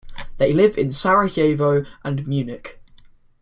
They live in Sarajevo and Munich.